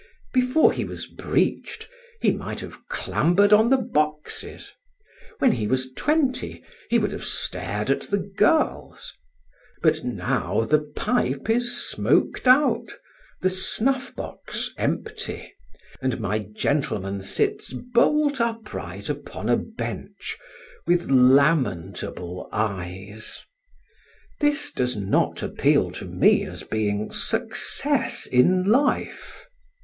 Before he was breeched, he might have clambered on the boxes; when he was twenty, he would have stared at the girls; but now the pipe is smoked out, the snuffbox empty, and my gentleman sits bolt upright upon a bench, with lamentable eyes. This does not appeal to me as being Success in Life.